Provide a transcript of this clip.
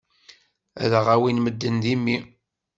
Ad aɣ-awin medden d imi.